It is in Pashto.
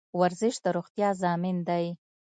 ورزش د روغتیا ضامن دی